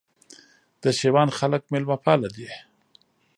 د شېوان خلک مېلمه پاله دي